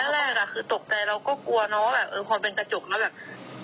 แรกคือตกใจเราก็กลัวเนอะพอเป็นกระจกแล้วคือจริงแล้วมันก็ไม่ได้บางขนาดที่ว่า